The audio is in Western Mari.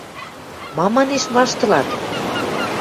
– Мам, – манеш, – ваштылат?